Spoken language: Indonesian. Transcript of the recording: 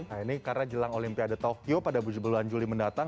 nah ini karena jelang olimpiade tokyo pada bulan juli mendatang